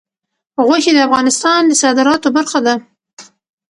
غوښې د افغانستان د صادراتو برخه ده.